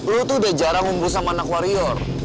lu tuh udah jarang ngumpul sama anak warrior